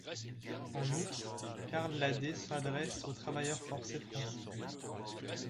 En outre, Karl Ladé s'adresse aux travailleurs forcés français.